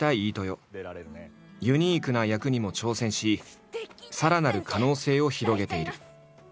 ユニークな役にも挑戦しさらなる可能性を広げている。